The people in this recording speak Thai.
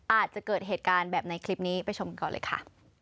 อาจจะเกิดเหตุการณ์แบบในคลิปนี้ไปชมกันก่อนเลยค่ะ